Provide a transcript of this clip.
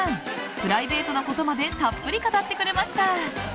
プライベートなことまでたっぷり語ってくれました。